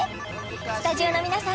スタジオの皆さん